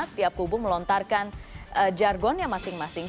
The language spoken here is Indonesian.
tiap kubu melontarkan jargonnya masing masing